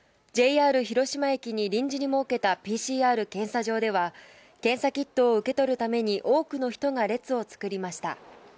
ＪＲ広島駅に臨時に設けたＰＣＲ検査場では、検査キットを受け取るために多くの人が列を作りました。